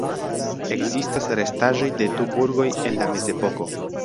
Ekzistas restaĵoj de du burgoj el la mezepoko.